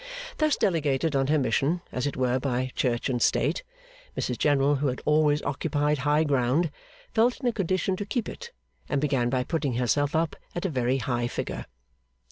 Thus delegated on her mission, as it were by Church and State, Mrs General, who had always occupied high ground, felt in a condition to keep it, and began by putting herself up at a very high figure.